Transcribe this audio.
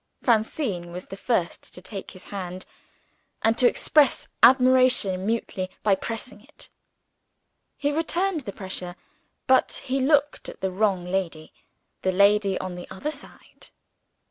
Francine was the first to take his hand, and to express admiration mutely by pressing it. He returned the pressure but he looked at the wrong lady the lady on the other side.